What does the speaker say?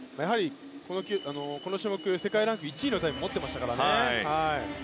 この種目、世界ランク１位のタイムを持ってましたからね。